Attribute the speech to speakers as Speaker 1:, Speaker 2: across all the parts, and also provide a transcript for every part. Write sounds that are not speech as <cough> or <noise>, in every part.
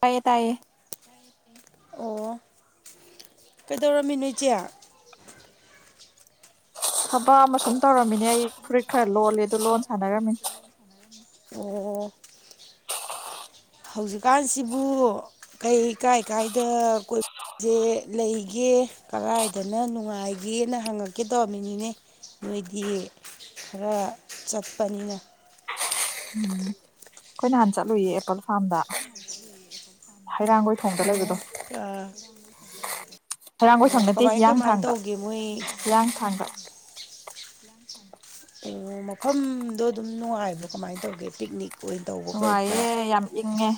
Speaker 1: ꯇꯥꯏꯌꯦ ꯇꯥꯏꯌꯦ
Speaker 2: ꯑꯣ ꯀꯩꯗꯧꯔꯝꯃꯤ ꯅꯣꯏ ꯏꯆꯦ
Speaker 1: ꯊꯕꯛ ꯑꯃ ꯁꯨꯝ ꯇꯧꯔꯝꯃꯤꯅꯦ ꯑꯩ ꯐꯨꯔꯤꯠ ꯈꯔ ꯂꯣꯜꯂꯦ ꯑꯗꯨ ꯂꯣꯟ ꯁꯥꯟꯅꯔꯝꯃꯤꯅꯦ
Speaker 2: ꯑꯣ ꯍꯧꯖꯤꯛꯀꯥꯟꯁꯤꯕꯨ ꯀꯩꯀꯥꯏ ꯀꯥꯏꯗ ꯁꯦ ꯂꯩꯒꯦ ꯀꯔꯥꯏꯗꯅ ꯅꯨꯡꯉꯥꯏꯒꯦꯅ ꯍꯪꯉꯛꯀꯦ ꯇꯧꯕ ꯃꯤꯅꯤꯅꯦ ꯃꯣꯏꯗꯤ ꯈꯔ ꯆꯠꯄꯅꯤꯅ
Speaker 1: ꯎꯝ ꯑꯩꯈꯣꯏ ꯅꯍꯥꯟ ꯆꯠꯂꯨꯌꯦ ꯑꯦꯄꯜ ꯐꯥꯔꯝꯗ ꯍꯩꯔꯥꯡꯒꯣꯏ ꯊꯣꯡꯗ ꯂꯩꯕꯗꯣ
Speaker 2: ꯑꯣ ꯑꯣ
Speaker 1: ꯍꯔꯥꯡꯕꯣꯏꯐꯝ ꯅꯠꯇꯦ
Speaker 2: ꯀꯃꯥꯏ ꯀꯃꯥꯏ
Speaker 1: ꯍꯤꯌꯥꯡꯊꯥꯡꯗ
Speaker 2: ꯇꯧꯒꯦ ꯃꯣꯏ
Speaker 1: ꯍꯤꯌꯥꯡꯊꯥꯡꯗ
Speaker 2: ꯑꯣ ꯃꯐꯝꯗꯣ ꯑꯗꯨꯝ ꯅꯨꯡꯉꯥꯏꯕꯣ ꯀꯃꯥꯏꯅ ꯇꯧꯒꯦ ꯄꯤꯛꯅꯤꯛ ꯂꯣꯏ ꯇꯧꯕ ꯈꯄ
Speaker 1: ꯅꯨꯡꯉꯥꯏꯌꯦ ꯌꯥꯝ ꯏꯪꯉꯦ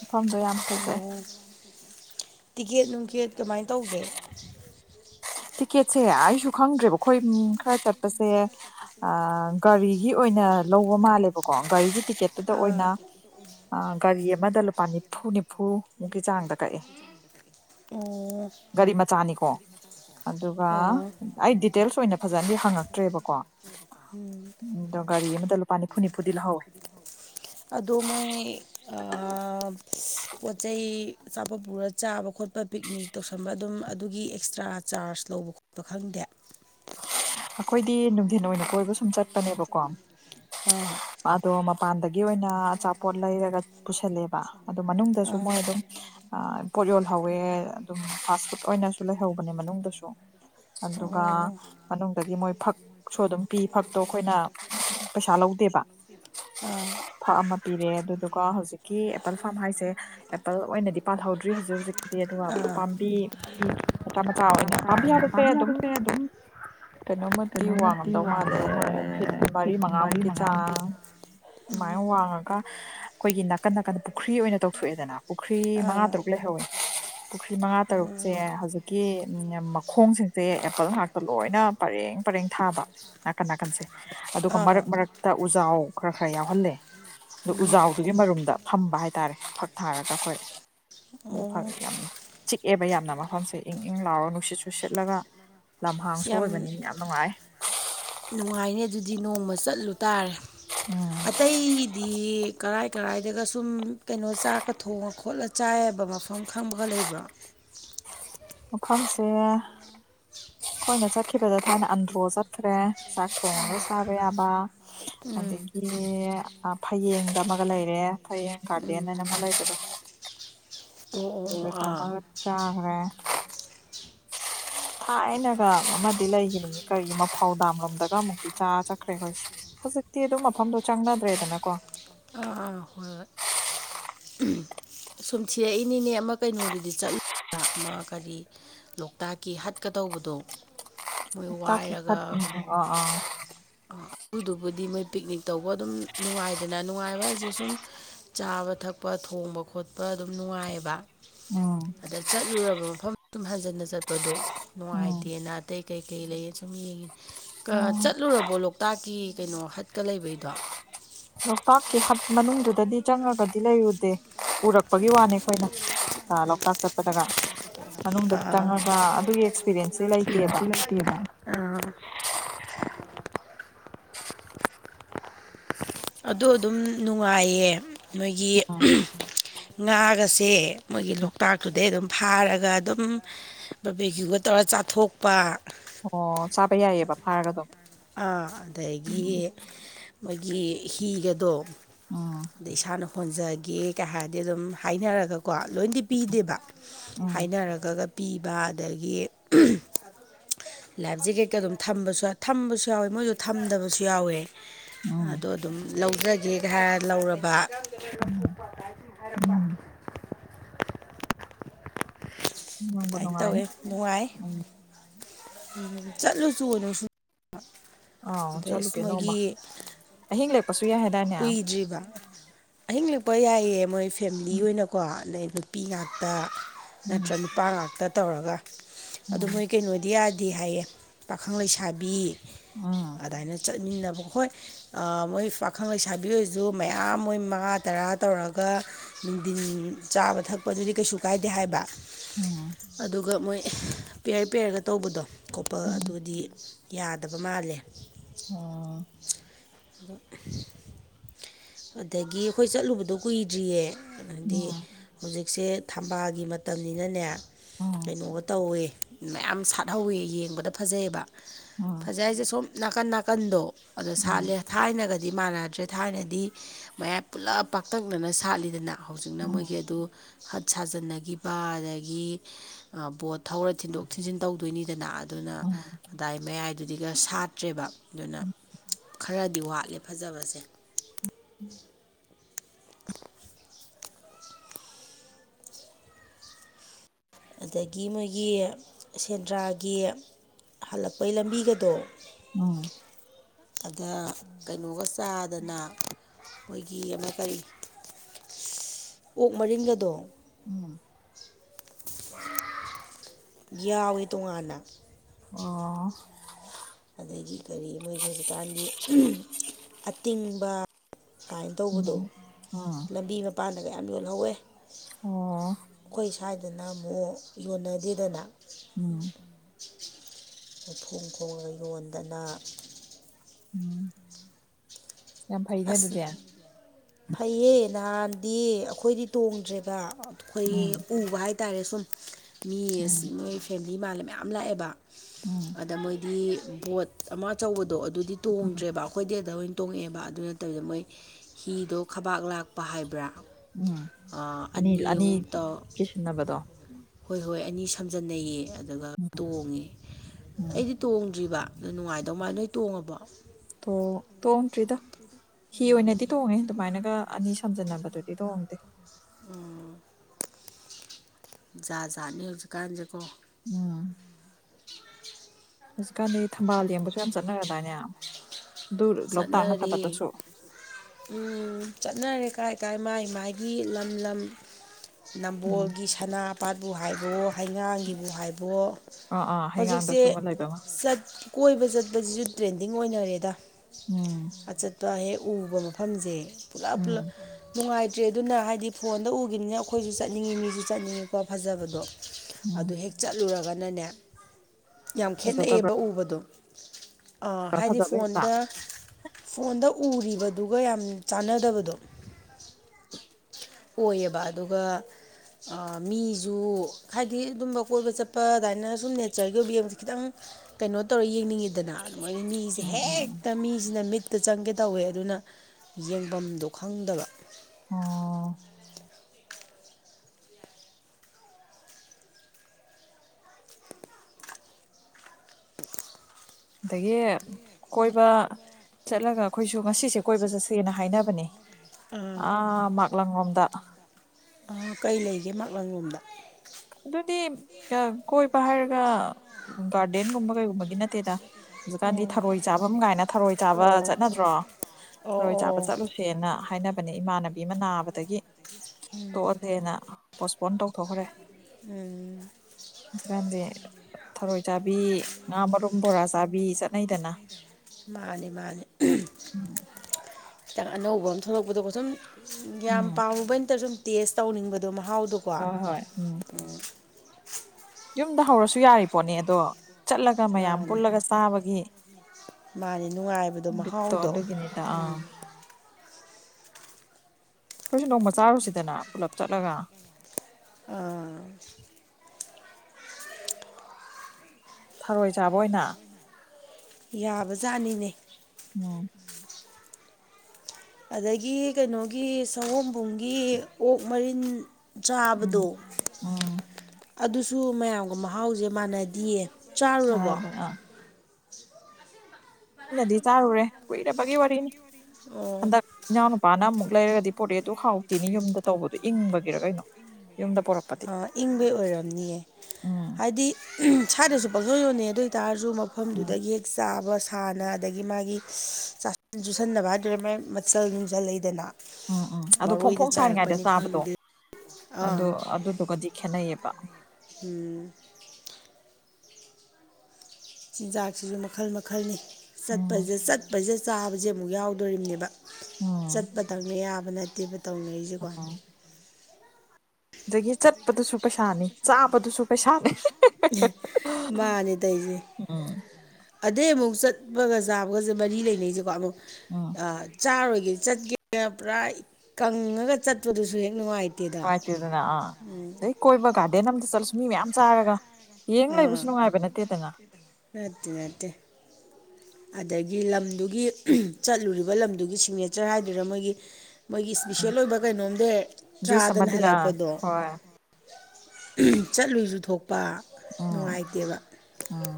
Speaker 1: ꯃꯐꯝꯗꯣ ꯌꯥꯝ ꯐꯖꯩ
Speaker 2: ꯇꯤꯛꯀꯦꯠ ꯅꯨꯡꯀꯦꯠ ꯀꯃꯥꯏꯅ ꯇꯧꯒꯦ
Speaker 1: ꯇꯤꯀꯦꯠꯁꯦ ꯑꯩꯁꯨ ꯈꯪꯗ꯭ꯔꯦꯕ ꯑꯩꯈꯣꯏ ꯈꯔ ꯆꯠꯄ ꯁꯦ ꯒꯥꯔꯤꯒꯤ ꯑꯣꯏꯅ ꯂꯧꯕ ꯃꯥꯜꯂꯦꯕꯀꯣ ꯒꯥꯔꯤꯒꯤ ꯇꯀꯦꯠꯇꯨꯗ
Speaker 2: ꯑꯥ
Speaker 1: ꯑꯣꯏꯅ ꯒꯥꯔꯤ ꯑꯃꯗ ꯂꯨꯄꯥ ꯅꯤꯐꯨ ꯅꯤꯐꯨꯃꯨꯛꯀꯤ ꯆꯥꯡꯗ ꯀꯛꯑꯦ
Speaker 2: ꯑꯣ
Speaker 1: ꯀꯣ ꯑꯗꯨꯒ
Speaker 2: ꯑꯥ
Speaker 1: ꯑꯩ ꯗꯤꯇꯦꯜꯁ ꯑꯣꯏꯅ ꯐꯖꯅꯗꯤ ꯍꯪꯉꯛꯇ꯭ꯔꯦꯕꯀꯣ ꯎꯝꯗ ꯒꯥꯔꯤ ꯃꯗ ꯂ ꯄꯅꯤ ꯐꯨꯅꯤ ꯐꯨꯗꯤ ꯂ ꯍ
Speaker 2: ꯑꯗꯣ ꯃꯣꯏ ꯄꯣꯠꯆꯩ ꯆꯥꯄ ꯄꯨꯔ ꯆꯥꯕ ꯈꯣꯠꯄ ꯄꯤꯛꯅꯤꯛ ꯇꯧꯁꯟꯕ ꯑꯗꯨꯝ ꯑꯗꯨꯒꯤ ꯑꯦꯛꯁꯇ꯭ꯔꯥ ꯆꯥꯔꯖ ꯂꯧꯕ ꯈꯣꯠꯄ ꯈꯪꯗꯦ
Speaker 1: ꯑꯩꯈꯣꯏꯗꯤ ꯅꯨꯡꯊꯤꯟ ꯑꯣꯏꯅ ꯀꯣꯏꯕ ꯁꯨꯝ ꯆꯠꯄꯅꯦꯕꯀꯣ
Speaker 2: ꯑꯥ
Speaker 1: ꯑꯗꯣ ꯃꯄꯥꯟꯗꯒꯤ ꯑꯣꯏꯅ ꯑꯆꯥꯄꯣꯠ ꯂꯩꯔꯒ ꯄꯨꯁꯜꯂꯦꯕ ꯑꯗꯨ ꯃꯅꯨꯡꯗꯁꯨ ꯃꯣꯏ
Speaker 2: ꯑꯥ
Speaker 1: ꯑꯗꯨꯝ ꯄꯣꯠ ꯌꯣꯜꯍꯧꯋꯦ ꯑꯗꯨꯝ ꯐꯥꯁ ꯐꯨꯗ ꯑꯣꯏꯅꯁꯨ ꯂꯩꯍꯧꯕꯅꯦ ꯃꯅꯨꯡꯗꯁꯨ ꯑꯗꯨꯒ
Speaker 2: ꯑꯣ
Speaker 1: ꯃꯅꯨꯡꯗꯒꯤ ꯃꯣꯏ ꯐꯛꯁꯨ ꯑꯗꯨꯝ ꯄꯤ ꯐꯛ
Speaker 2: ꯑꯥ
Speaker 1: ꯐꯝ ꯑꯃ ꯄꯤꯔꯦ ꯑꯗꯨꯗꯨꯒ ꯍꯧꯖꯤꯛꯀꯤ ꯑꯦꯄꯜ ꯐꯥꯔꯝ ꯍꯥꯏꯁꯦ ꯑꯦꯄꯜ ꯑꯣꯏꯅꯗꯤ ꯄꯥꯜꯍꯧꯗ꯭ꯔꯤ ꯍꯧꯖꯤꯛ ꯍꯧꯖꯤꯛꯀꯤꯗꯤ ꯑꯗꯨꯒ
Speaker 2: ꯑꯥ
Speaker 1: ꯄꯥꯝꯕꯤ ꯃꯆꯥ ꯃꯆꯥ ꯑꯣꯏꯅ ꯄꯥꯝꯕꯤ ꯍꯥꯏꯕꯁꯦ ꯑꯗꯨꯝ ꯀꯩꯅꯣꯃꯛꯇꯤ
Speaker 2: ꯀꯩꯅꯣꯃꯨꯛꯇꯤ
Speaker 1: ꯋꯥꯡꯝꯗꯧ ꯃꯥꯜꯂꯦ
Speaker 2: ꯋꯥꯡꯉꯝꯗꯧ
Speaker 1: ꯃꯔꯤ ꯃꯉꯥꯃꯨꯛꯀꯤ ꯆꯥꯡ ꯃꯥꯏꯡ ꯋꯥꯉꯀ ꯑꯩꯈꯣꯏꯒꯤ ꯅꯥꯀꯟ ꯅꯥꯀꯟꯗ ꯄꯨꯈ꯭ꯔꯤ ꯑꯣꯏꯅ ꯇꯧꯊꯣꯛꯑꯦꯗꯅ ꯄꯨꯈ꯭ꯔꯤ ꯃꯉꯥ
Speaker 2: ꯑꯥ
Speaker 1: ꯇꯔꯨꯛ ꯂꯩꯍꯧꯋꯦ ꯄꯨꯈ꯭ꯔꯤ ꯃꯉꯥ
Speaker 2: ꯑꯣ
Speaker 1: ꯇꯔꯨꯛꯁꯦ ꯍꯧꯖꯤꯛꯀꯤ ꯃꯈꯣꯡꯁꯤꯡꯁꯦ ꯑꯦꯄꯜ ꯉ ꯂꯣꯏꯅ ꯄꯔꯦꯡ ꯄꯔꯦꯡ ꯊꯥꯕ ꯅꯥꯀꯟ ꯅꯥꯀꯟꯁꯦ ꯑꯗꯨꯒ ꯃꯔꯛ
Speaker 2: ꯑꯥ
Speaker 1: ꯃꯔꯛꯇ ꯎꯖꯥꯎ ꯈꯔ ꯈꯔ ꯌꯥꯎꯍꯜꯂꯦ ꯑꯗꯨ ꯎꯖꯥꯎꯗꯨꯒꯤ ꯃꯔꯨꯝꯗ ꯐꯝꯕ ꯍꯥꯏꯇꯥꯔꯦ ꯐꯛ ꯊꯥꯔꯒ ꯑꯩꯈꯣꯏ ꯑ ꯐꯔꯦ
Speaker 2: ꯑꯣ
Speaker 1: ꯌꯥꯝ ꯆꯤꯛꯑꯦꯕ ꯌꯥꯝꯅ ꯃꯐꯝꯁꯦ ꯏꯪ ꯏꯪ ꯂꯥꯎꯔꯒ ꯅꯨꯡꯁꯤꯠꯁꯨꯁꯤꯠꯂꯒ ꯂꯝꯍꯥꯡꯁꯨ
Speaker 2: ꯌꯥꯝ
Speaker 1: ꯑꯣꯏꯕꯅꯤꯅ ꯌꯥꯝ ꯅꯨꯡꯉꯥꯏ
Speaker 2: ꯅꯨꯡꯉꯥꯏꯅꯦ ꯑꯗꯨꯗꯤ ꯅꯣꯡꯃ ꯆꯠꯂꯨ ꯇꯥꯔꯦ
Speaker 1: ꯎꯝ
Speaker 2: ꯑꯇꯩꯗꯤ ꯀꯔꯥꯏ ꯀꯔꯥꯏꯗꯒ ꯁꯨꯝ ꯀꯩꯅꯣ ꯆꯥꯛꯀ ꯊꯣꯡꯉ ꯈꯣꯠꯂ ꯆꯥꯏꯕ ꯃꯐꯝ ꯈꯪꯕꯒ ꯂꯩꯕ꯭ꯔꯣ
Speaker 1: ꯑꯣꯀꯁꯦ ꯑꯩꯈꯣꯏꯅ ꯆꯠꯈꯤꯕꯗ ꯊꯥꯏꯅ ꯑꯟꯗ꯭ꯔꯣ ꯆꯠꯈ꯭ꯔꯦ ꯆꯥꯛ ꯊꯣꯡꯒ ꯆꯥꯕ ꯌꯥꯕ
Speaker 2: ꯎꯝ
Speaker 1: ꯑꯗꯒꯤ ꯐꯌꯦꯡꯗ ꯑꯃꯒ ꯂꯩꯔꯦ ꯐꯌꯦꯡ ꯒꯥꯔꯗꯦꯟ ꯍꯥꯏꯅ
Speaker 2: ꯎꯝ
Speaker 1: ꯑꯃ ꯂꯩꯕꯗꯣ
Speaker 2: ꯑꯣ ꯑꯣ ꯑꯣ
Speaker 1: ꯏ ꯇ
Speaker 2: ꯑꯥ
Speaker 1: ꯃ ꯆ꯭ꯔꯦ
Speaker 2: ꯎꯝ
Speaker 1: ꯊꯥꯏꯅꯒ ꯑꯃꯗꯤ ꯂꯩꯈꯤꯕꯅꯤ ꯀꯔꯤꯒꯤ ꯃꯐꯧ ꯗꯥꯝꯔꯣꯝꯗꯒ ꯑꯃꯨꯛꯇꯤ ꯆꯥ ꯆꯠꯈ꯭ꯔꯦ ꯍꯣꯏꯁꯦ ꯍꯧꯖꯤꯛꯇꯤ ꯑꯗꯨꯝ ꯃꯐꯝꯗꯣ ꯆꯪꯅꯗ꯭ꯔꯦꯗꯅꯀꯣ
Speaker 2: ꯑ ꯍꯣꯏ ꯁꯨꯝ ꯊꯤꯔꯛꯏꯅꯤꯅꯦ ꯑꯃ ꯀꯩꯅꯣꯗꯨꯗꯤ ꯆꯠꯂꯨ ꯑꯃ ꯀꯔꯤ ꯂꯣꯛꯇꯥꯛꯀꯤ ꯍꯠꯀꯗꯧꯕꯗꯣ ꯃꯣꯏ
Speaker 1: ꯂꯣꯛꯇꯥꯛꯀꯤ
Speaker 2: ꯋꯥꯏꯔꯒ
Speaker 1: ꯍꯠ ꯑꯥ ꯑꯥ
Speaker 2: ꯑꯗꯨꯗꯨꯕꯨꯗꯤ ꯃꯣꯏ ꯄꯤꯛꯅꯤꯛ ꯇꯧꯕ ꯑꯗꯨꯝ ꯅꯨꯡꯉꯥꯏꯗꯅ ꯅꯨꯡꯉꯥꯏꯕ ꯍꯥꯏꯁꯦ ꯁꯨꯝ ꯆꯥꯕ ꯊꯛꯄ ꯊꯣꯡꯕ ꯈꯣꯠꯄ ꯑꯗꯨꯝ ꯅꯨꯡꯉꯥꯏꯌꯦꯕ
Speaker 1: ꯎꯝ
Speaker 2: ꯑꯗ ꯆꯠꯂꯨꯔꯕ ꯃꯐꯝ ꯁꯨꯝ ꯍꯟꯖꯟꯅ ꯆꯠꯄꯗꯣ
Speaker 1: ꯎꯝ
Speaker 2: ꯅꯨꯡꯉꯥꯏꯇꯦꯅ ꯑꯇꯩ ꯀꯩ ꯀꯩ ꯂꯩꯌꯦ ꯁꯨꯝ ꯌꯦꯡꯉꯤ
Speaker 1: ꯎꯝ
Speaker 2: ꯆꯠꯂꯨꯔꯕꯣ ꯂꯣꯛꯇꯥꯛꯀꯤ ꯀꯩꯅꯣ ꯍꯠꯀ ꯂꯩꯕꯩꯗꯣ
Speaker 1: ꯂꯣꯛꯇꯥꯛꯀꯤ ꯍꯠ ꯃꯅꯨꯡꯗꯨꯗꯗꯤ ꯆꯪꯉꯒꯗꯤ ꯂꯩꯔꯨꯗꯦ ꯎꯔꯛꯄꯒꯤ ꯋꯥꯅꯤ ꯑꯩꯈꯣꯏꯅ ꯑ ꯂꯣꯛ ꯇꯥꯛ ꯆꯄꯇ ꯀ ꯃꯅꯨꯡꯗ ꯆꯪꯉꯒ ꯑꯗꯨꯒꯤ ꯑꯦꯛꯁꯄꯤꯔꯤꯌꯦꯟꯁꯁꯤ ꯂꯩꯇꯦꯕ <unintelligible> <inaudible>
Speaker 2: ꯑꯥ ꯑꯗꯨꯗ ꯑꯗꯨꯝ ꯅꯨꯡꯉꯥꯏꯌꯦ ꯃꯣꯏꯒꯤ
Speaker 1: ꯎꯝ
Speaker 2: ꯉꯥꯒꯁꯦ ꯃꯣꯏꯒꯤ ꯂꯣꯛꯇꯥꯛꯇꯨꯗꯩ ꯑꯗꯨꯝ ꯐꯥꯔꯒ ꯑꯗꯨꯝ ꯕꯕꯤꯦꯒꯤ꯭ꯌꯨꯒ ꯇꯧꯔ ꯆꯥꯊꯣꯛꯄ
Speaker 1: ꯑꯣ ꯆꯥꯕ ꯌꯥꯏꯑꯕ ꯐꯥꯔꯒ ꯑꯗꯨꯝ
Speaker 2: ꯑꯥ
Speaker 1: ꯎꯝ
Speaker 2: ꯑꯗꯒꯤ ꯃꯣꯏꯒꯤ ꯍꯤꯒꯗꯣ
Speaker 1: ꯎꯝ
Speaker 2: ꯑꯗꯩ ꯏꯁꯥꯅ ꯍꯣꯟꯖꯒꯦ ꯀꯩ ꯍꯥꯏꯔꯗꯤ ꯑꯗꯨꯝ ꯍꯥꯏꯅꯔꯒꯀꯣ ꯂꯣꯏꯗꯤ ꯄꯤꯗꯦꯕ ꯍꯥꯏꯅꯔꯒꯒ ꯄꯤꯕ ꯑꯗꯒꯤ ꯂꯥꯏꯐ ꯖꯦꯛꯀꯦꯠꯀ ꯑꯗꯨꯝ ꯊꯝꯕꯁꯨ ꯊꯝꯕꯁꯨ ꯌꯥꯎꯋꯦ ꯃꯣꯏꯁꯨ ꯊꯝꯗꯕꯁꯨ ꯌꯥꯎꯋꯦ
Speaker 1: ꯎꯝ
Speaker 2: ꯑꯗꯣ ꯑꯗꯨꯝ ꯂꯧꯖꯒꯦ ꯍꯥꯏ ꯂꯧꯔꯕ
Speaker 1: ꯎꯝ
Speaker 2: ꯍꯔꯃꯜ
Speaker 1: ꯅꯨꯡꯕꯨ
Speaker 2: ꯑꯗꯨꯃꯥꯏꯅ ꯇꯧꯋꯦ
Speaker 1: ꯅꯨꯡꯉꯥꯏꯅꯤ
Speaker 2: ꯅꯨꯡꯉꯥꯏ
Speaker 1: ꯎꯝ
Speaker 2: ꯆꯠꯂꯨ ꯆꯅꯨꯁꯨ
Speaker 1: ꯑꯥꯎ
Speaker 2: ꯑꯗ
Speaker 1: ꯆꯠꯂꯨꯒꯦ ꯅꯣꯡꯃ
Speaker 2: ꯃꯒꯤ
Speaker 1: ꯑꯍꯤꯡ ꯂꯦꯛꯄꯁꯨ ꯌꯥꯏ ꯍꯥꯏꯗꯥꯏꯅꯦ
Speaker 2: ꯀꯨꯏꯗ꯭ꯔꯤꯕ ꯑꯍꯤꯡ ꯂꯛꯄ ꯌꯥꯏꯌꯦ ꯃꯣꯏ ꯐꯦꯃꯤꯂꯤ ꯑꯣꯏꯅꯀꯣ ꯑꯩ ꯅꯨꯄꯤ ꯉꯥꯛꯇ
Speaker 1: ꯎꯝ
Speaker 2: ꯅꯠꯇ꯭ꯔ ꯅꯨꯄꯥ ꯉꯥꯛꯇ ꯇꯧꯔꯒ ꯑꯗꯨ
Speaker 1: ꯎꯝ
Speaker 2: ꯃꯣꯏ ꯀꯩꯅꯣꯗꯤ ꯌꯥ ꯗꯤ ꯍꯥꯏꯌꯦ ꯄꯥꯈꯪ ꯂꯩꯁꯥꯕꯤ
Speaker 1: ꯎꯝ
Speaker 2: ꯑꯗꯨꯃꯥꯏꯅ ꯍꯣꯏ ꯃꯣꯏ ꯐ ꯄꯥꯈꯪ ꯂꯩꯁꯥꯕꯤ ꯑꯣꯏꯔꯁꯨ ꯃꯌꯥꯝ ꯃꯣꯏ ꯃꯉꯥ ꯇꯔꯥ ꯇꯧꯔꯒ ꯅꯨꯡꯊꯤꯟ ꯆꯥꯕ ꯊꯛꯄ ꯑꯗꯨꯗꯤ ꯀꯩꯁꯨ ꯀꯥꯏꯗꯦ ꯍꯥꯏꯕ
Speaker 1: ꯎꯝ
Speaker 2: ꯑꯗꯨꯒ ꯃꯣꯏ ꯄꯦꯔ ꯄꯦꯔꯒ ꯇꯧꯕꯗꯣ ꯈꯣꯠꯄ
Speaker 1: ꯎꯝ
Speaker 2: ꯑꯗꯨꯗꯤ ꯌꯥꯗꯕ ꯃꯥꯜꯂꯦ
Speaker 1: ꯑ <unintelligible> <inaudible>
Speaker 2: ꯑꯗꯣ ꯑꯗꯒꯤ ꯑꯩꯈꯣꯏ ꯆꯠꯂꯨꯕꯗꯣ ꯀꯨꯏꯗ꯭ꯔꯤꯌꯦ ꯍꯥꯏꯗꯤ
Speaker 1: ꯎꯝ
Speaker 2: ꯍꯧꯖꯤꯛꯁꯦ ꯊꯝꯕꯥꯜꯒꯤ ꯃꯇꯝꯅꯤꯅꯅꯦ
Speaker 1: ꯎꯝ
Speaker 2: ꯀꯩꯅꯣꯒ ꯇꯧꯋꯦ ꯃꯌꯥꯝ ꯁꯥꯠꯍꯧꯋꯦ ꯌꯦꯡꯕꯗ ꯐꯖꯩꯑꯕ
Speaker 1: ꯎꯝ
Speaker 2: ꯐꯖꯩꯁꯦ ꯁꯨꯝ ꯅꯥꯀꯟ ꯅꯥꯀꯟꯗꯣ ꯑꯗꯣ
Speaker 1: ꯎꯝ
Speaker 2: ꯁꯥꯠꯂꯦ ꯊꯥꯏꯅꯒꯗꯤ ꯑꯗꯨꯗꯤ ꯃꯥꯟꯅꯗ꯭ꯔꯦ ꯊꯥꯏꯅꯗꯤ ꯃꯌꯥꯝ ꯄꯨꯜꯂꯞ ꯄꯥꯛꯇꯛꯅꯅ ꯁꯥꯠꯂꯤꯗꯅ ꯍꯧꯖꯤꯛꯅ
Speaker 1: ꯎꯝ
Speaker 2: ꯃꯣꯏꯒꯤ ꯑꯗꯨ ꯍꯠ ꯁꯥꯖꯟꯅꯈꯤꯕ ꯑꯗꯒꯤ ꯕꯣꯠ ꯊꯧꯔ ꯊꯤꯟꯗꯣꯛ ꯊꯤꯟꯖꯤꯟ ꯇꯧꯗꯣꯏꯅꯤꯗꯅ ꯑꯗꯨꯅ
Speaker 1: ꯎꯝ
Speaker 2: ꯑꯗꯥꯏ ꯃꯌꯥꯏꯗꯨꯗꯤꯒ ꯁꯥꯠꯇ꯭ꯔꯦꯕ ꯑꯗꯨꯅ ꯈꯔꯗꯤ ꯋꯥꯠꯂꯦ ꯐꯖꯕꯁꯦ
Speaker 1: <inaudible> <unintelligible>
Speaker 2: ꯑꯗꯒꯤ ꯃꯣꯏꯒꯤ ꯁꯦꯟꯗ꯭ꯔꯥꯒꯤ ꯍꯜꯂꯛꯄꯩ ꯂꯝꯕꯤꯒꯗꯣ
Speaker 1: ꯎꯝ
Speaker 2: ꯑꯗ ꯀꯩꯅꯣꯒ ꯆꯥꯗꯅ ꯃꯣꯏꯒꯤ ꯑꯃ ꯀꯔꯤ
Speaker 1: <unintelligible> <inaudible>
Speaker 2: ꯑꯣꯛ ꯃꯔꯤꯡꯒꯗꯣ
Speaker 1: ꯎꯝ
Speaker 2: ꯌꯥꯋꯋ ꯇꯨꯡ ꯑꯅꯥ
Speaker 1: ꯑꯣ
Speaker 2: ꯑꯗꯒꯤ ꯀꯔꯤ ꯃꯣꯏꯒꯤ ꯍꯧꯖꯤꯛꯀꯥꯟꯗꯤ ꯑꯇꯤꯡꯕ ꯀꯥꯏꯅ ꯇꯧꯕꯗꯣ
Speaker 1: ꯎꯝ ꯎꯝ
Speaker 2: ꯂꯝꯕꯤ ꯃꯄꯥꯟꯗꯒ ꯌꯥꯝ ꯌꯣꯜꯍꯧꯋꯦ
Speaker 1: ꯑꯣ
Speaker 2: ꯁꯗꯅ ꯑꯃꯨꯛ ꯌꯣꯟꯅꯗꯦꯗꯅ
Speaker 1: ꯎꯝ
Speaker 2: ꯎꯐꯨꯝ ꯈꯣꯡꯒ ꯌꯣꯟꯗꯅ
Speaker 1: ꯎꯝ ꯌꯥꯝ ꯐꯩꯅꯦ
Speaker 2: ꯑꯁ
Speaker 1: ꯑꯗꯨꯗꯤ
Speaker 2: ꯐꯩꯌꯦ ꯅꯍꯥꯟꯗꯤ ꯑꯩꯈꯣꯏꯗꯤ ꯇꯣꯡꯗ꯭ꯔꯦꯕ ꯑꯩꯈꯣꯏ
Speaker 1: ꯎꯝ
Speaker 2: ꯎꯕ ꯍꯥꯏꯔꯦ ꯍꯥꯏꯇꯥꯔꯦ ꯁꯨꯝ ꯃꯤ
Speaker 1: ꯎꯝ
Speaker 2: ꯃꯣꯏ ꯐꯦꯃꯤꯂꯤ ꯃꯥꯜꯂꯦ ꯃꯌꯥꯝ ꯂꯥꯛꯑꯦꯕ
Speaker 1: ꯎꯝ
Speaker 2: ꯑꯗ ꯃꯣꯏꯗꯤ ꯕꯣꯠ ꯑꯃ ꯑꯆꯧꯕꯗꯣ ꯑꯗꯨꯗꯤ ꯇꯣꯡꯗ꯭ꯔꯦꯕ ꯑꯩꯈꯣꯏꯗꯤꯗ ꯑꯣꯏꯅ ꯇꯣꯡꯉꯛꯑꯦꯕ ꯑꯗꯨ ꯅꯠꯇꯕꯤꯗ ꯃꯣꯏ ꯍꯤꯗꯣ ꯈꯕꯥꯛ ꯂꯥꯛꯄ ꯍꯥꯏꯕ꯭ꯔꯥ
Speaker 1: ꯎꯝ
Speaker 2: ꯑꯅꯤ ꯑꯍꯨꯝ ꯇ
Speaker 1: ꯑꯅꯤꯒꯤ ꯁꯤꯟꯅꯕꯗꯣ
Speaker 2: ꯍ ꯍꯣꯏ ꯑꯅꯤ ꯁꯝꯖꯟꯅꯩꯌꯦ ꯑꯗꯨꯒ ꯇꯣꯡꯉꯦ
Speaker 1: ꯎꯝ
Speaker 2: ꯑꯩꯗꯤ ꯇꯣꯡꯗ꯭ꯔꯤꯕ ꯑꯗ ꯅꯨꯡꯉꯥꯏꯗꯧ ꯃꯥꯥꯏꯅ ꯅꯣꯏ ꯇꯣꯡꯉꯕ
Speaker 1: ꯇ ꯑꯣꯟꯇꯔꯤꯗ ꯑꯅꯤ ꯁꯝꯖꯟꯅꯕꯗꯨꯗꯤ ꯇꯣꯡꯗꯦ
Speaker 2: ꯖꯥꯖꯥꯅꯤ ꯍꯧꯖꯤꯛ ꯀꯥꯥꯟꯖꯦꯣ
Speaker 1: ꯎꯝ ꯍꯧꯖꯤꯛꯀꯥꯟꯗꯤ ꯊꯝꯕꯥꯜ ꯌꯦꯡꯕꯁꯨ ꯌꯥꯝ ꯆꯠꯅꯔꯗꯥꯏꯅꯦ ꯑꯗꯨ ꯂꯣꯛꯇꯥꯛ
Speaker 2: ꯆꯠꯅꯔꯤ
Speaker 1: ꯅꯠꯇꯕꯗꯁꯨ
Speaker 2: ꯎꯝ ꯆꯠꯅꯔꯦ ꯀꯥꯏ ꯀꯥꯏ ꯃꯥꯏ ꯃꯥꯏꯒꯤ ꯂꯝ ꯂꯝ
Speaker 1: ꯎꯝ
Speaker 2: ꯅꯝꯕꯣꯜꯒꯤ ꯁꯅꯥꯄꯥꯥꯠꯕꯨ ꯍꯥꯏꯕꯣ ꯍꯩꯉꯥꯡꯒꯤꯕꯨ ꯍꯥꯏꯕꯣ
Speaker 1: ꯑꯥ ꯑꯥ
Speaker 2: ꯍꯧꯖꯤꯛꯁꯦ
Speaker 1: ꯍꯩꯉꯥꯡꯗꯁꯨ ꯑꯃ ꯂꯩꯕ ꯑꯃ
Speaker 2: ꯆꯠ ꯀꯣꯏꯕ ꯆꯠꯄꯁꯤꯁꯨ ꯇ꯭ꯔꯦꯟꯗꯤꯡ ꯑꯣꯏꯅꯔꯦꯗ
Speaker 1: ꯎꯝ
Speaker 2: ꯑꯆꯠꯄ ꯍꯦꯛ ꯎꯕ ꯃꯐꯝꯁꯦ ꯄꯨꯂꯞ
Speaker 1: ꯎꯝ
Speaker 2: ꯄꯨꯂꯞ ꯅꯨꯡꯉꯥꯏ ꯇ꯭ꯔꯦ ꯑꯗꯨꯅ ꯍꯥꯏꯗꯤ ꯐꯣꯟꯗ ꯎꯈꯤꯕꯅꯤꯅ ꯑꯩꯈꯣꯏꯁꯨ ꯆꯠꯅꯤꯡꯉꯤ ꯃꯤꯁꯨ ꯆꯠꯅꯤꯡꯉꯤꯀꯣ ꯐꯖꯕꯗꯣ
Speaker 1: ꯎꯝ
Speaker 2: ꯑꯗꯨ ꯍꯦꯛ ꯆꯠꯂꯨꯔꯒꯅꯅꯦ ꯌꯥꯝ
Speaker 1: ꯐꯖꯗꯕ꯭ꯔꯥ
Speaker 2: ꯈꯦꯅꯩꯑꯦꯕ ꯎꯕꯗꯣ ꯍꯥꯏꯗꯤ
Speaker 1: ꯐꯖꯕ ꯍꯦꯛꯇ
Speaker 2: ꯐꯣꯟꯗ ꯐꯣꯟꯗ ꯎꯔꯤꯕꯗꯨꯒ ꯌꯥꯝ ꯆꯥꯟꯅꯗꯕꯗꯣ ꯑꯣꯏꯌꯦꯕ ꯑꯗꯨꯒ ꯃꯤꯁꯨ ꯍꯥꯏꯗꯤ ꯑꯗꯨꯝꯕ ꯀꯣꯏꯕ ꯆꯠꯄ ꯑꯗꯨꯃꯥꯏꯅ ꯁꯨꯝ ꯅꯦꯆꯔꯒꯤ ꯑꯣꯏꯕ ꯑꯃꯡꯁꯦ ꯈꯤꯇꯪ ꯀꯩꯅꯣ ꯇꯧꯔ ꯌꯦꯡꯅꯤꯡꯉꯤꯗꯅ ꯑꯗꯨ ꯃꯣꯏꯅ ꯃꯤꯁꯦ
Speaker 1: ꯎꯝ ꯎꯝ ꯎꯝ
Speaker 2: ꯍꯦꯛꯇ ꯃꯤꯁꯤꯅ ꯃꯤꯠ ꯇ ꯆꯪꯒꯦ ꯇꯧꯋꯦ ꯑꯗꯨꯅ ꯌꯦꯡꯐꯝꯗꯣ ꯈꯪꯗꯕ
Speaker 1: ꯑꯣ ꯑꯗꯒꯤ ꯀꯣꯏꯕ ꯆꯠꯂꯒ ꯑꯩꯈꯣꯏꯁꯨ ꯉꯁꯤꯁꯦ ꯀꯣꯏꯕ ꯆꯠꯁꯦꯅ ꯍꯥꯏꯅꯕꯅꯦ
Speaker 2: ꯑꯥ
Speaker 1: ꯑ ꯃꯒꯂꯣꯝꯗ
Speaker 2: ꯀꯩ ꯂꯩꯒꯦ ꯃꯥꯛꯂꯪꯂꯣꯝꯗ
Speaker 1: ꯑꯗꯨꯗꯤ ꯀꯣꯏꯕ ꯍꯥꯏꯔꯒ ꯒꯥꯔꯗꯦꯟꯒꯨꯝꯕ ꯀꯩꯒꯨꯝꯕꯒꯤ ꯅꯠꯇꯦꯗ ꯍꯧꯖꯤꯛꯀꯥꯟꯗꯤ ꯊꯔꯣꯏ ꯆꯥꯐꯝ ꯀꯥꯏꯅ ꯊꯔꯣꯏ ꯆꯥꯕ
Speaker 2: ꯑꯣ
Speaker 1: ꯆꯠꯅꯗ꯭ꯔꯣ
Speaker 2: ꯑꯣ
Speaker 1: ꯊꯔꯣꯏ ꯆꯥꯕ
Speaker 2: ꯑꯣ
Speaker 1: ꯆꯠꯂꯨꯁꯦꯅ ꯍꯥꯏ ꯏꯃꯥꯟꯅꯕꯤ ꯑꯃ ꯅꯥꯕꯗꯒꯤ ꯇꯣꯛꯑꯂꯦꯅ ꯄꯣꯁꯄꯣꯟ ꯇꯧꯊꯣꯛꯈ꯭ꯔꯦ
Speaker 2: ꯎꯝ
Speaker 1: ꯀꯥꯟꯗꯤ ꯊꯔꯣꯏ ꯆꯥꯕꯤ ꯉꯥ ꯃꯔꯨꯝ ꯕꯣꯔ ꯆꯥꯕꯤ ꯆꯠꯅꯩꯗꯅ
Speaker 2: ꯃꯥꯅꯤ ꯃꯥꯅꯤ ꯈꯤꯇꯪ ꯑꯅꯧꯕ ꯑꯃ ꯊꯣꯛꯂꯛꯄꯗꯀ ꯁꯨꯝ ꯌꯥꯝ
Speaker 1: ꯎꯝ
Speaker 2: ꯄꯥꯝꯃꯨꯕꯩꯅꯇ ꯁꯨꯝ ꯇꯦꯁ ꯇꯧꯅꯤꯡꯕꯗꯣ ꯃꯍꯥꯎꯗꯣꯀꯣ
Speaker 1: ꯍꯣꯏ ꯍꯣꯏ ꯎꯝ ꯌꯨꯝꯗ ꯍꯧꯔꯁꯨ ꯌꯥꯔꯤ ꯄꯣꯠꯅꯦ ꯑꯗꯣ ꯆꯠꯂꯒ ꯃꯌꯥꯝ
Speaker 2: ꯃꯥꯅꯦ
Speaker 1: ꯄꯨꯜꯂꯒ ꯆꯥꯕꯒꯤ
Speaker 2: ꯃꯥꯅꯦ ꯅꯨꯡꯉꯥꯏꯕꯗꯣ
Speaker 1: ꯠꯇꯣ
Speaker 2: ꯃꯍꯥꯎꯗꯣ
Speaker 1: ꯑꯗꯨꯒꯤꯅꯤꯗ ꯑꯥ ꯑꯩꯈꯣꯏꯁꯨ ꯅꯣꯡꯃ ꯆꯥꯔꯨꯁꯤꯗꯅ ꯄꯨꯂꯞ ꯆꯠꯂꯒ
Speaker 2: ꯑꯥ
Speaker 1: ꯊꯔꯣꯏ ꯆꯥꯕ ꯑꯣꯏꯅ
Speaker 2: ꯌꯥꯕꯖꯥꯠꯅꯤꯅꯦ
Speaker 1: ꯑ <unintelligible> <inaudible>
Speaker 2: ꯑꯗꯒꯤ ꯀꯩꯅꯣꯒꯤ ꯁꯒꯣꯕꯨꯡꯒꯤ ꯑꯣꯛ ꯃꯔꯤꯟ
Speaker 1: ꯎꯝ
Speaker 2: ꯆꯥꯕꯗꯣ
Speaker 1: ꯑꯥ
Speaker 2: ꯑꯗꯨꯁꯨ ꯃꯌꯥꯝꯒ ꯃꯍꯥꯎꯁꯦ ꯃꯥꯟꯅꯗꯤꯌꯦ ꯆꯥꯔꯨꯔꯕꯣ
Speaker 1: ꯑꯗ ꯑꯥ ꯑꯩꯅꯗꯤ ꯆꯥꯔꯨꯔꯦ ꯀꯨꯏꯔꯕꯒꯤ ꯋꯥꯔꯤꯅꯤ
Speaker 2: ꯑꯣ
Speaker 1: ꯀꯅ ꯄꯥꯅ ꯃꯒꯂ ꯀꯗꯤ ꯄꯨꯣ ꯑꯗꯨ ꯍꯥꯎꯇꯦꯅꯤ ꯌꯨꯝꯗ ꯇꯧꯕꯗꯣ ꯏꯪꯕꯒꯤꯔ ꯀꯩꯅꯣ ꯌꯨꯝꯗ ꯄꯣꯔꯛꯄꯗꯤ
Speaker 2: ꯑ ꯏꯪꯕꯩ ꯑꯣꯏꯔꯝꯅꯤꯌꯦ
Speaker 1: ꯎꯝ
Speaker 2: ꯍꯥꯏꯗꯤ ꯁ꯭ꯋꯥꯏꯗꯁꯨ ꯄꯪꯁ ꯌꯣꯟꯅꯩ ꯑꯗꯨ ꯑꯣꯏꯇꯥꯔꯁꯨ ꯁ
Speaker 1: ꯎꯝ
Speaker 2: ꯃꯐꯝꯗꯨꯗꯒꯤ ꯍꯦꯛ ꯆꯥꯕ ꯊꯥꯅ ꯑꯗꯒꯤ ꯃꯥꯒꯤ ꯆ ꯆꯨꯁꯟꯅꯕ ꯍꯥꯏꯗꯦ ꯃ ꯃꯆꯜ ꯅꯨꯡꯁꯜ ꯂꯩꯗꯅ
Speaker 1: ꯎꯝ ꯎꯝ ꯑꯗꯨ ꯐꯣꯡ
Speaker 2: ꯃꯔꯣꯏꯗ
Speaker 1: ꯐꯣꯡ ꯁꯥꯅꯤꯡꯉꯥꯏꯗ
Speaker 2: ꯆꯥꯏꯔꯛꯄꯅꯤ
Speaker 1: ꯆꯥꯕꯗꯣ
Speaker 2: ꯈꯪꯗꯦ
Speaker 1: ꯑꯗꯨ
Speaker 2: ꯑꯥ
Speaker 1: ꯑꯗꯨꯗꯨꯒꯗꯤ ꯈꯦꯠꯅꯩꯌꯦꯕ
Speaker 2: ꯎꯝ ꯆꯤꯟꯖꯥꯛꯁꯤꯁꯨ ꯃꯈꯜ ꯃꯈꯜꯅꯤ
Speaker 1: ꯎꯝ
Speaker 2: ꯆꯠꯄꯁꯤꯗ ꯆꯠꯄꯁꯤꯗ ꯆꯥꯕꯁꯦ ꯑꯃꯨꯛ ꯌꯥꯎꯗꯣꯔꯤꯕꯅꯦꯕ
Speaker 1: ꯎꯝ
Speaker 2: ꯆꯠꯄꯗꯪꯅ ꯌꯥꯕ ꯅꯠꯇꯦꯕ ꯇꯧꯅꯔꯤꯁꯦꯀꯣ
Speaker 1: ꯎꯝ ꯑꯗꯒꯤ ꯆꯠꯄꯗꯨꯁꯨ ꯄꯩꯁꯥꯅꯤ ꯆꯥꯕꯗꯨꯁꯨ ꯄꯩꯁꯥꯅꯤ
Speaker 2: ꯃꯥꯅꯦ ꯇꯧꯔꯤꯁꯦ
Speaker 1: ꯎꯝ ꯎꯝ
Speaker 2: ꯑꯗꯩ ꯑꯃꯨꯛ ꯆꯠꯄꯒ ꯆꯥꯕꯒꯁꯦ ꯃꯔꯤ ꯂꯩꯅꯩꯁꯦꯀꯣ ꯑꯃꯨꯛ ꯆꯥꯔꯣꯏ ꯆꯠꯀꯦꯅ ꯄꯨꯔꯥ ꯀꯪꯉꯒ ꯆꯠꯄꯗꯨꯁꯨ ꯍꯦꯛ ꯅꯨꯡꯉꯥꯏꯔ
Speaker 1: ꯅꯨꯡꯉꯥꯏꯇꯦꯗꯅ ꯑꯥ ꯑꯗꯩ ꯀꯣꯏꯕ ꯒꯥꯔꯗꯦꯟ ꯑꯃꯇ ꯆꯠꯂꯁꯨ ꯃꯤ ꯃꯌꯥꯝ ꯆꯥꯔꯒ ꯌꯦꯡ
Speaker 2: ꯑꯥ
Speaker 1: ꯂꯩꯕꯁꯨ ꯅꯨꯡꯉꯥꯏꯕ ꯅꯠꯇꯦꯗꯅ
Speaker 2: ꯅꯠꯇꯦ ꯅꯠꯇꯦ ꯑꯗꯒꯤ ꯂꯝꯗꯨꯒꯤ ꯆꯠꯂꯨꯔꯤꯕ ꯂꯝꯗꯨꯒꯤ ꯁꯤꯛꯅꯦꯆꯔ ꯍꯥꯏꯗꯨꯔꯥ ꯃꯣꯏꯒꯤ ꯃꯣꯏꯒꯤ
Speaker 1: ꯎꯝ
Speaker 2: ꯏꯁꯄꯤꯁꯦꯜ ꯑꯣꯏꯕ ꯀꯩꯅꯣꯝꯗ
Speaker 1: ꯗꯤꯁ ꯑꯃ
Speaker 2: ꯇ꯭ꯔꯥꯗꯅ
Speaker 1: ꯗꯤ ꯂꯥꯛ
Speaker 2: ꯍꯜꯂꯛꯄꯗꯣ
Speaker 1: ꯍꯣꯏ
Speaker 2: ꯆꯠꯂꯨꯏꯁꯨ ꯊꯣꯛꯄ
Speaker 1: ꯎꯝ
Speaker 2: ꯅꯨꯡꯉꯥꯏꯇꯦꯕ
Speaker 1: ꯎꯝ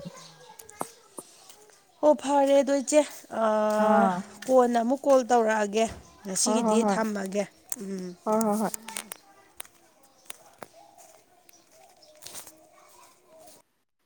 Speaker 2: ꯑꯣ ꯐꯔꯦꯗꯣ ꯏꯆꯦ
Speaker 1: ꯑꯥ
Speaker 2: ꯀꯣꯟꯅ ꯑꯃꯨꯛ ꯀꯣꯜ ꯇꯧꯔꯛꯑꯒꯦ
Speaker 1: ꯍꯣꯏ ꯍꯣꯏ
Speaker 2: ꯉꯁꯤꯒꯤꯗꯤ
Speaker 1: ꯍꯣꯏ
Speaker 2: ꯊꯝꯃꯒꯦ ꯎꯝ
Speaker 1: ꯍꯣꯏ ꯍꯣꯏ ꯍꯣꯏ